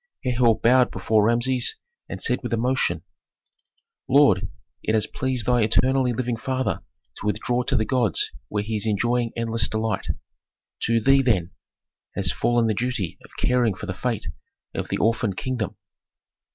Herhor bowed before Rameses, and said with emotion, "Lord! it has pleased thy eternally living father to withdraw to the gods where he is enjoying endless delight. To thee, then, has fallen the duty of caring for the fate of the orphan kingdom.